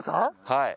はい。